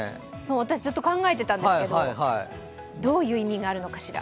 私ずっと考えてたんですけどどういう意味があるのかしら？